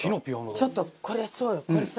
ちょっとこれそうよこれさ。